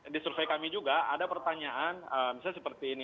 di survei kami juga ada pertanyaan misalnya seperti ini